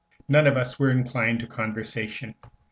None of us were inclined to conversation.